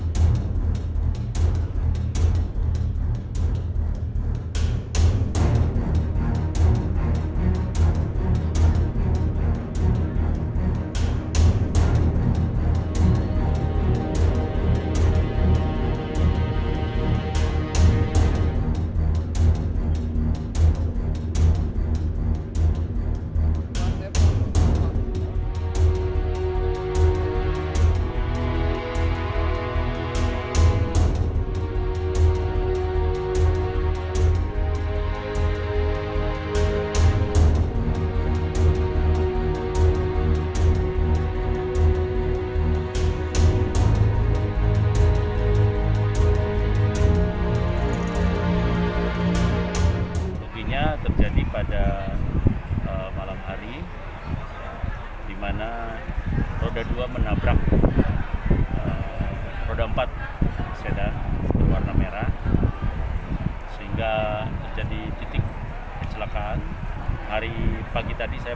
jangan lupa like share dan subscribe ya